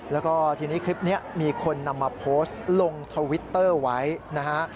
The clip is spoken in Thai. แล้วก็ทีนี้คลิปนี้มีคนนำมาโพสต์ลงทวิตเตอร์ไว้นะฮะ